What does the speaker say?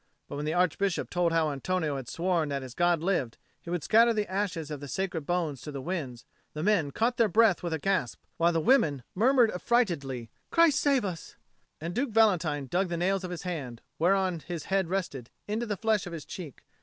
But when the Archbishop told how Antonio had sworn that as God lived he would scatter the ashes of the sacred bones to the winds, the men caught their breath with a gasp, while the women murmured affrightedly, "Christ save us;" and Duke Valentine dug the nails of his hand, whereon his head rested, into the flesh of his cheek.